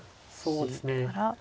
そうですね。